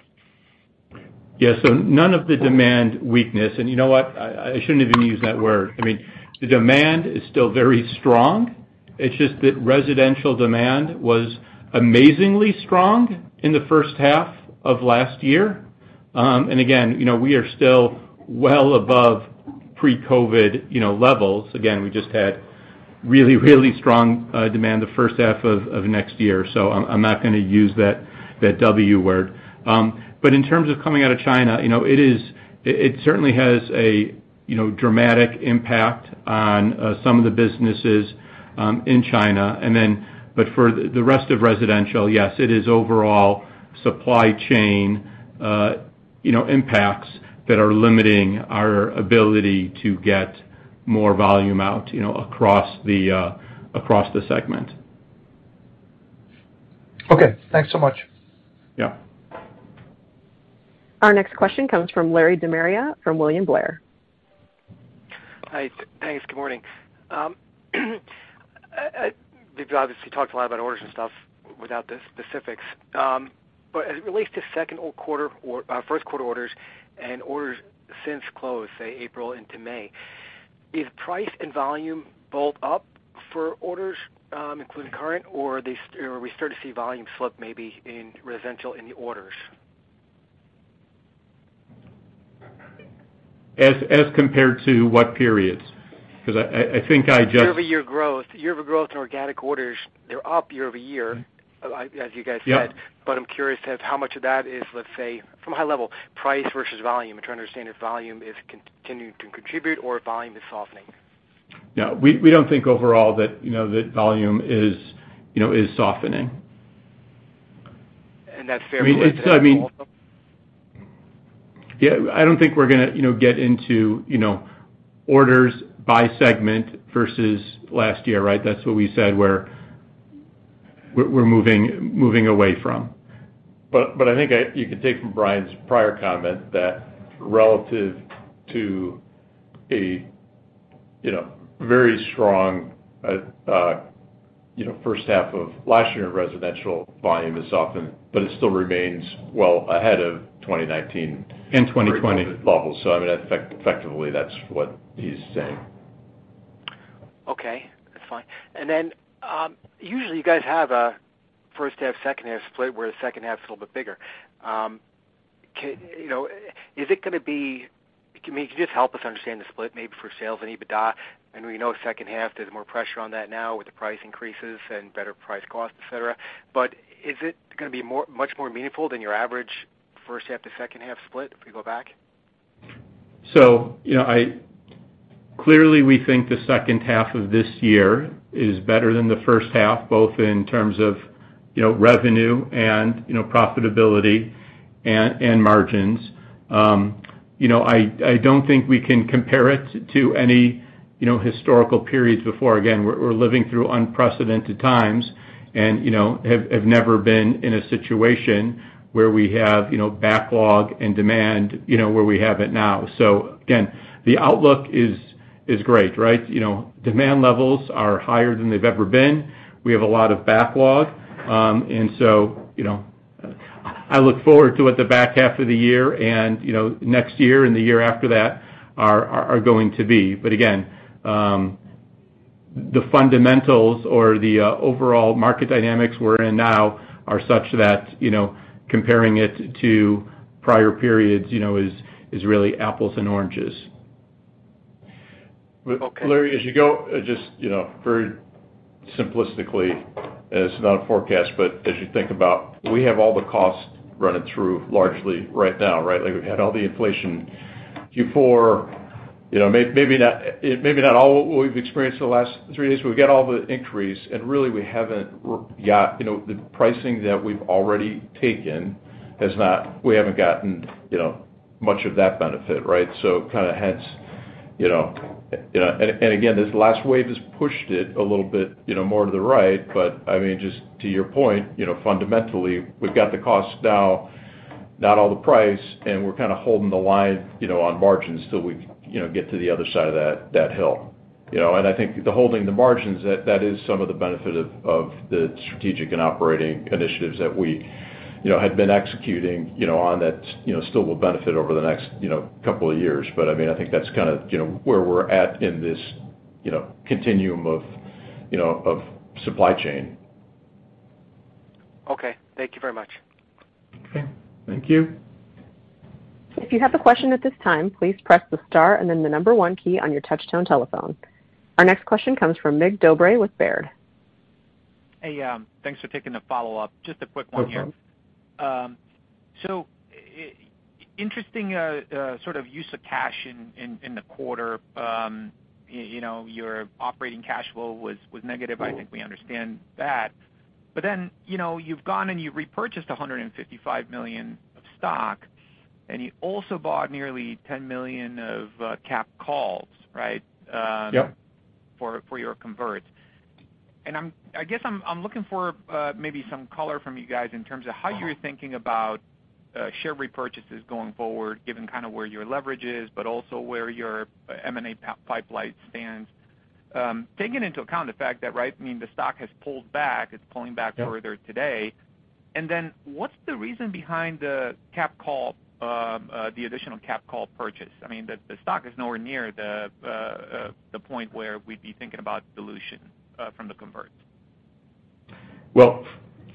Yeah. None of the demand weakness. You know what? I shouldn't even use that word. I mean, the demand is still very strong. It's just that residential demand was amazingly strong in the first half of last year. Again, you know, we are still well above pre-COVID, you know, levels. Again, we just had really strong demand the first half of next year. I'm not gonna use that W word. In terms of coming out of China, you know, it is it certainly has a you know dramatic impact on some of the businesses in China. For the rest of residential, yes, it is overall supply chain you know impacts that are limiting our ability to get more volume out, you know, across the segment. Okay. Thanks so much. Yeah. Our next question comes from Larry De Maria from William Blair. Hi. Thanks. Good morning. You've obviously talked a lot about orders and stuff without the specifics. As it relates to second quarter or first quarter orders and orders since closed, say, April into May, is price and volume both up for orders, including current. Are we starting to see volume slip maybe in residential in the orders? As compared to what periods? Because I think I just. Year-over-year growth in organic orders. They're up year-over-year, like as you guys said. Yep. I'm curious as to how much of that is, let's say, from a high level, price versus volume. I'm trying to understand if volume is continuing to contribute or volume is softening. Yeah. We don't think overall that, you know, volume is, you know, softening. That's fair. Yeah, I don't think we're gonna, you know, get into, you know, orders by segment versus last year, right? That's what we said we're moving away from. I think you could take from Bryan's prior comment that relative to a, you know, very strong, you know, first half of last year residential volume is often, but it still remains well ahead of 2019. 2020.... levels. I mean, effectively, that's what he's saying. Okay, that's fine. Usually you guys have a first half, second half split, where the second half is a little bit bigger. Can you just help us understand the split maybe for sales and EBITDA? I know we know second half there's more pressure on that now with the price increases and better price costs, et cetera. Is it gonna be more, much more meaningful than your average first half to second half split if we go back? Clearly, we think the second half of this year is better than the first half, both in terms of, you know, revenue and, you know, profitability and margins. You know, I don't think we can compare it to any, you know, historical periods before. Again, we're living through unprecedented times and, you know, have never been in a situation where we have, you know, backlog and demand, you know, where we have it now. Again, the outlook is great, right? You know, demand levels are higher than they've ever been. We have a lot of backlog. You know, I look forward to what the back half of the year and, you know, next year and the year after that are going to be. Again, the fundamentals or the overall market dynamics we're in now are such that, you know, comparing it to prior periods, you know, is really apples and oranges. Okay. Larry, as you go, just, you know, very simplistically, and it's not a forecast, but as you think about, we have all the costs running through largely right now, right? Like, we've had all the inflation Q4, you know, maybe not all what we've experienced in the last three days, but we've got all the increase, and really we haven't gotten, you know, much of that benefit, right? Kinda hence, you know, you know. Again, this last wave has pushed it a little bit, you know, more to the right. I mean, just to your point, you know, fundamentally, we've got the costs now, not all the price, and we're kinda holding the line, you know, on margins till we, you know, get to the other side of that hill. You know? I think holding the margins, that is some of the benefit of the strategic and operating initiatives that we, you know, had been executing, you know, on that, you know, still will benefit over the next, you know, couple of years. I mean, I think that's kinda, you know, where we're at in this, you know, continuum of supply chain. Okay. Thank you very much. Okay. Thank you. If you have a question at this time, please press the star and then the number one key on your touchtone telephone. Our next question comes from Mircea Dobre with Baird. Hey, thanks for taking the follow-up. Just a quick one here. Mm-hmm. Interesting sort of use of cash in the quarter. You know, your operating cash flow was negative. Mm-hmm. I think we understand that. You know, you've gone and you repurchased $155 million of stock, and you also bought nearly $10 million of capped calls, right? Yep. For your converts. I guess I'm looking for maybe some color from you guys in terms of how you're thinking about share repurchases going forward, given kind of where your leverage is, but also where your M&A pipeline stands. Taking into account the fact that, right, I mean, the stock has pulled back. It's pulling back further today. What's the reason behind the capped call, the additional capped call purchase? I mean, the stock is nowhere near the point where we'd be thinking about dilution from the convert. Well,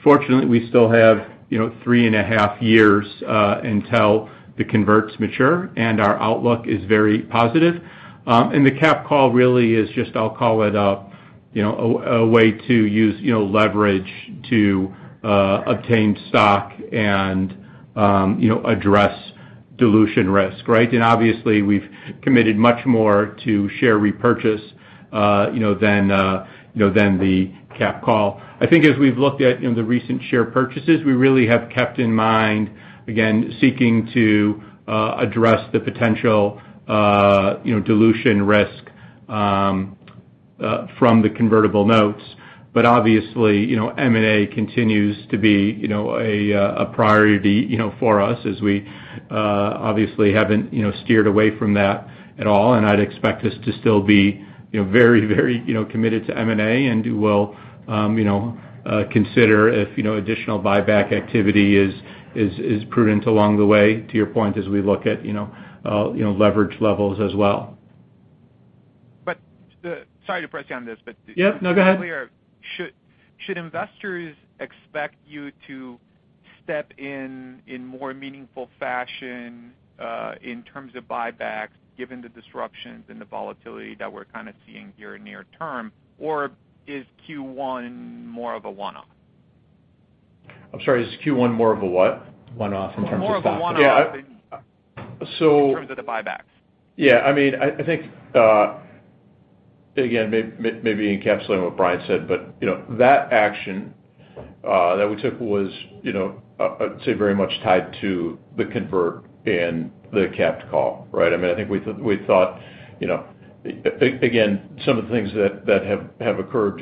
fortunately, we still have, you know, three and a half years until the convertibles mature, and our outlook is very positive. The capped call really is just, I'll call it, a way to use, you know, leverage to obtain stock and, you know, address dilution risk, right? Obviously, we've committed much more to share repurchase, you know, than the capped call. I think as we've looked at, you know, the recent share purchases, we really have kept in mind, again, seeking to address the potential dilution risk from the convertible notes. Obviously, M&A continues to be a priority, you know, for us as we obviously haven't steered away from that at all. I'd expect us to still be, you know, very, you know, committed to M&A, and do well, you know, consider if, you know, additional buyback activity is prudent along the way, to your point, as we look at, you know, leverage levels as well. Sorry to press you on this. Yep. No, go ahead. Just so I'm clear. Should investors expect you to step in in more meaningful fashion, in terms of buybacks, given the disruptions and the volatility that we're kind of seeing here near term, or is Q1 more of a one-off? I'm sorry. Is Q1 more of a what? One-off in terms of stock. More of a one-off. Yeah. In terms of the buybacks. Yeah. I mean, I think, again, maybe encapsulating what Bryan said, but, you know, that action that we took was, you know, so very much tied to the convert and the capped call, right? I mean, I think we thought, you know, again, some of the things that have occurred,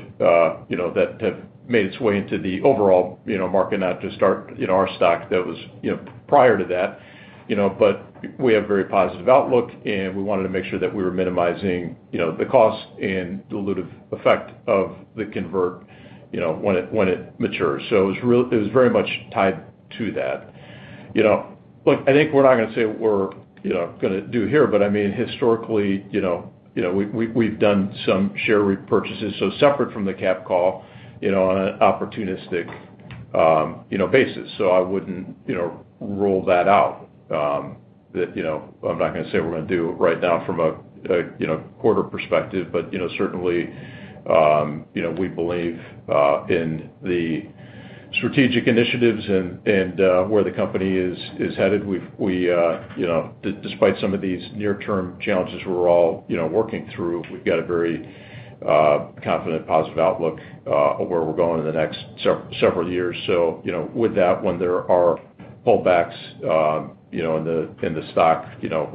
you know, that have made its way into the overall, you know, market, not just our, you know, our stock, that was, you know, prior to that, you know. But we have very positive outlook, and we wanted to make sure that we were minimizing, you know, the cost and dilutive effect of the convert, you know, when it matures. It was very much tied to that. You know, look, I think we're not gonna say we're, you know, gonna do here, but I mean, historically, you know, we've done some share repurchases, so separate from the capped call, you know, on an opportunistic basis. I wouldn't, you know, rule that out, that, you know. I'm not gonna say we're gonna do right now from a quarter perspective. You know, certainly, we believe in the strategic initiatives and where the company is headed. We, you know, despite some of these near-term challenges we're all working through, we've got a very confident, positive outlook where we're going in the next several years. You know, with that, when there are pullbacks, you know, in the stock, you know,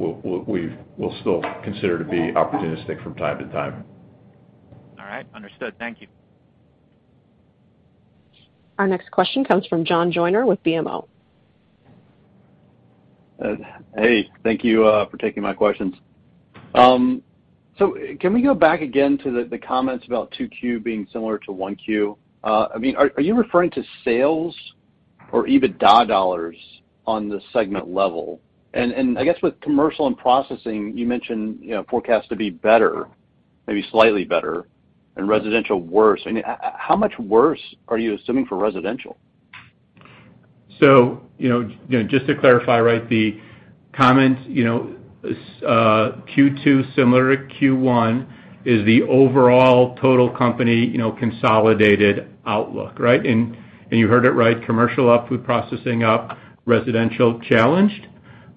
we'll still consider to be opportunistic from time to time. All right. Understood. Thank you. Our next question comes from John Joyner with BMO. Hey, thank you for taking my questions. Can we go back again to the comments about 2Q being similar to 1Q? I mean, are you referring to sales or EBITDA dollars on the segment level? I guess with commercial and processing, you mentioned, you know, forecast to be better, maybe slightly better, and residential worse. I mean, how much worse are you assuming for residential? You know, just to clarify, right, the comment, you know, Q2 similar to Q1 is the overall total company, you know, consolidated outlook, right? You heard it right, commercial up, food processing up, residential challenged.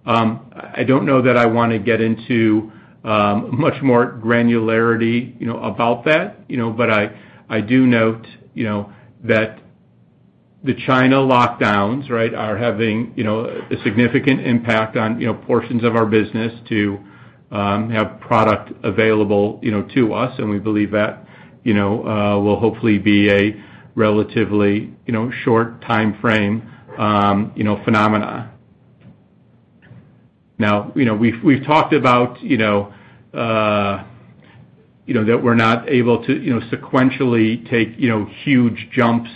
I don't know that I wanna get into much more granularity, you know, about that, you know. I do note, you know, that the China lockdowns, right, are having, you know, a significant impact on, you know, portions of our business to have product available, you know, to us. We believe that, you know, will hopefully be a relatively, you know, short timeframe, you know, phenomena. You know, we've talked about, you know, that we're not able to, you know, sequentially take, you know, huge jumps,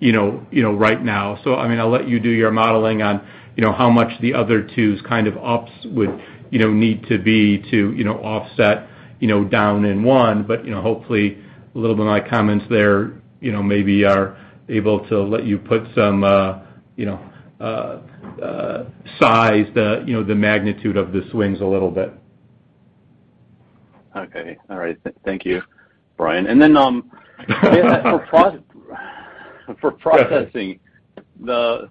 you know, right now. I mean, I'll let you do your modeling on, you know, how much the other twos kind of ups would, you know, need to be to, you know, offset, you know, down in one. You know, hopefully a little bit of my comments there, you know, maybe are able to let you put some, you know, size the, you know, the magnitude of the swings a little bit. Okay. All right. Thank you, Bryan. For processing the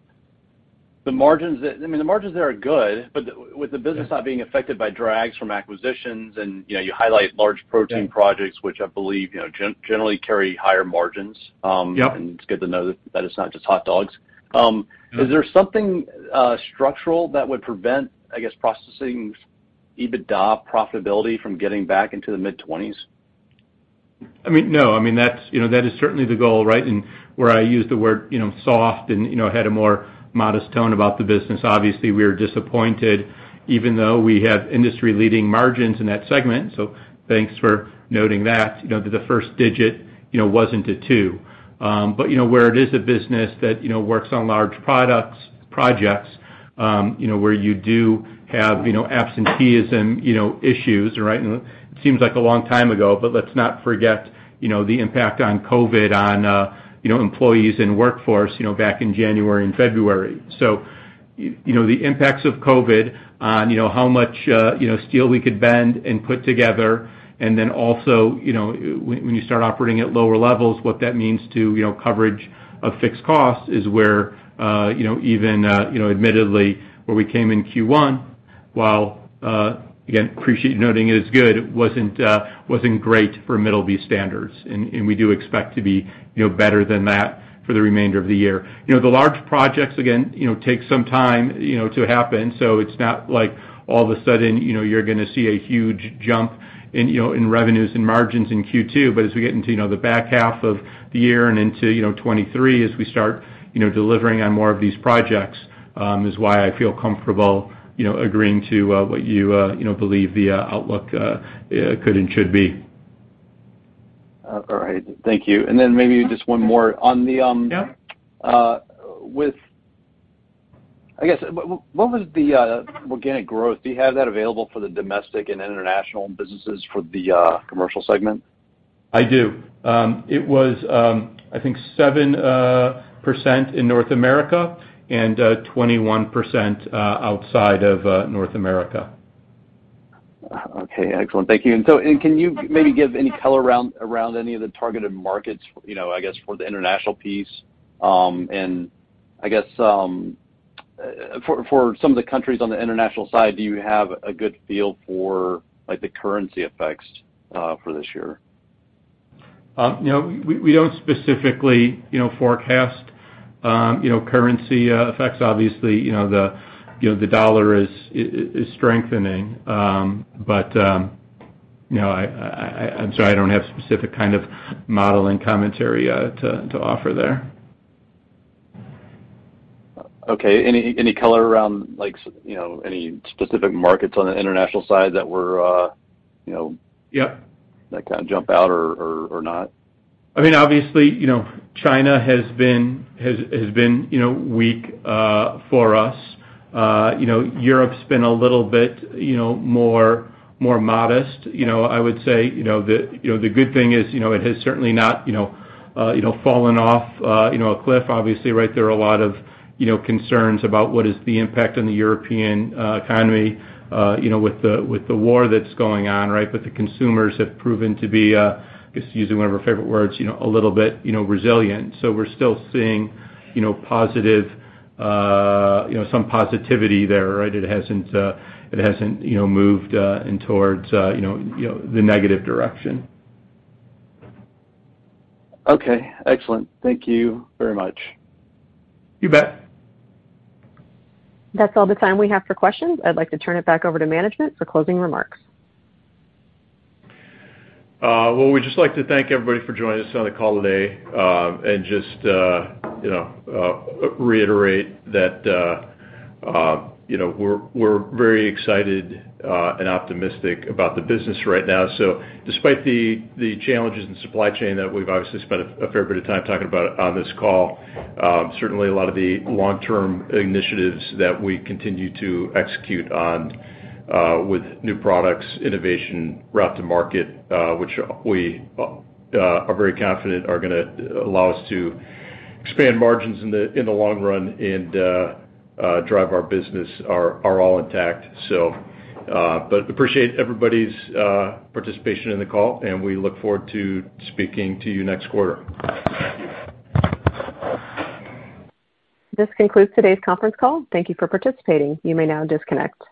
margins, I mean, the margins there are good, but with the business not being affected by drags from acquisitions and, you know, you highlight large protein projects, which I believe, you know, generally carry higher margins. Yep. It's good to know that it's not just hot dogs. Is there something structural that would prevent, I guess, processing's EBITDA profitability from getting back into the mid-20s%? That's, you know, that is certainly the goal, right? Where I use the word, you know, soft and, you know, had a more modest tone about the business. Obviously, we are disappointed even though we have industry-leading margins in that segment. Thanks for noting that, you know, that the first digit, you know, wasn't a two. But, you know, where it is a business that, you know, works on large projects, you know, where you do have, you know, absenteeism, you know, issues, right? It seems like a long time ago, but let's not forget, you know, the impact of COVID on, you know, employees and workforce, you know, back in January and February. You know, the impacts of COVID on, you know, how much, you know, steel we could bend and put together. Then also, you know, when you start operating at lower levels, what that means to, you know, coverage of fixed costs is where, you know, even, you know, admittedly, where we came in Q1, while, again, appreciate you noting it as good, it wasn't great for Middleby standards. We do expect to be, you know, better than that for the remainder of the year. You know, the large projects, again, you know, take some time, you know, to happen, so it's not like all of a sudden, you know, you're gonna see a huge jump in, you know, in revenues and margins in Q2. As we get into, you know, the back half of the year and into, you know, 2023 as we start, you know, delivering on more of these projects, is why I feel comfortable, you know, agreeing to what you know, believe the outlook could and should be. All right. Thank you. Maybe just one more. On the, Yeah. What was the organic growth? Do you have that available for the domestic and international businesses for the commercial segment? I do. It was, I think 7% in North America and 21% outside of North America. Okay, excellent. Thank you. Can you maybe give any color around any of the targeted markets, you know, I guess, for the international piece? I guess, for some of the countries on the international side, do you have a good feel for, like, the currency effects, for this year? You know, we don't specifically, you know, forecast, you know, currency effects. Obviously, you know, the dollar is strengthening. You know, I'm sorry, I don't have specific kind of modeling commentary, to offer there. Okay. Any color around, like, you know, any specific markets on the international side that were, you know? Yeah. That kind of jump out or not? I mean, obviously, you know, China has been weak for us. You know, Europe's been a little bit more modest. You know, I would say, you know, the good thing is, you know, it has certainly not fallen off a cliff, obviously, right? There are a lot of concerns about what is the impact on the European economy with the war that's going on, right? But the consumers have proven to be just using one of our favorite words, you know, a little bit resilient. So we're still seeing positive some positivity there, right? It hasn't moved in towards the negative direction. Okay. Excellent. Thank you very much. You bet. That's all the time we have for questions. I'd like to turn it back over to management for closing remarks. Well, we'd just like to thank everybody for joining us on the call today, and just, you know, reiterate that, you know, we're very excited and optimistic about the business right now. Despite the challenges in supply chain that we've obviously spent a fair bit of time talking about on this call, certainly a lot of the long-term initiatives that we continue to execute on with new products, innovation, route to market, which we are very confident are gonna allow us to expand margins in the long run and drive our business are all intact. Appreciate everybody's participation in the call, and we look forward to speaking to you next quarter. This concludes today's conference call. Thank you for participating. You may now disconnect.